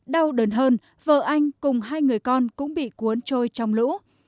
đau đớn hơn vợ anh cùng hai người con cũng bị cuốn trôi trong lũ